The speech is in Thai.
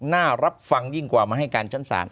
น่ารับฟังยิ่งกว่ามาให้การชั้นศาล